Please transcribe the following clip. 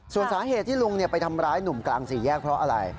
ส่วนสาเหตุที่ลุงไปทำร้ายหนุ่มกลางสี่แยกเพราะอะไร